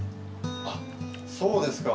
あっそうですか。